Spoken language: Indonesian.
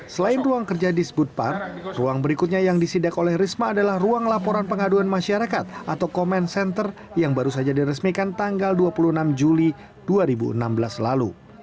selain ruang kerja di sbuttpar ruang berikutnya yang disidak oleh risma adalah ruang laporan pengaduan masyarakat atau comment center yang baru saja diresmikan tanggal dua puluh enam juli dua ribu enam belas lalu